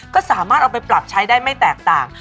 ก็สามารถเอาไปปรับใช้ได้ไม่แตกต่าง